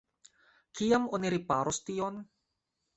Kiam oni riparos tion?